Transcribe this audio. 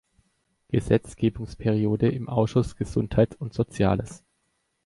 Gesetzgebungsperiode im Ausschuss „Gesundheit und Soziales“.